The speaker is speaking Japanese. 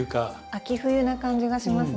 秋冬な感じがしますね。